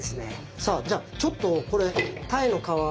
さあじゃあちょっとこれタイの皮